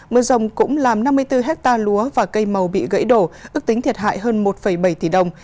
mưa rồng cũng làm năm mươi bốn hectare lúa và cây màu bị gãy đổ ước tính thiệt hại hơn một bảy tỷ đồng